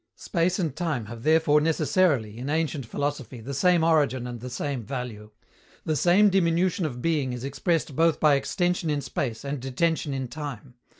Space and time have therefore necessarily, in ancient philosophy, the same origin and the same value. The same diminution of being is expressed both by extension in space and detention in time.